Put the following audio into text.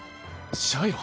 シャイロ！